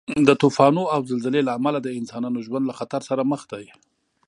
د طوفانو او زلزلې له امله د انسانانو ژوند له خطر سره مخ دی.